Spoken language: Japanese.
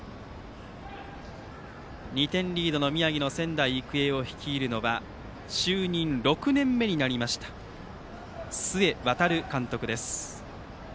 ２点リードの宮城の仙台育英を率いるのは就任６年目になりました須江航監督です。